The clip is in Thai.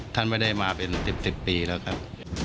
ท่านไม่ได้มาเป็น๑๐ปีแล้วครับ